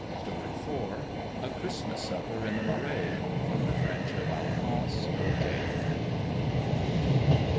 A CHRISTMAS SUPPER IN THE MARAIS. From the French of ALPHONSE DAUDET.